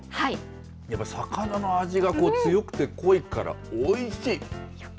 やっぱり魚の味が強くて濃いおいしい。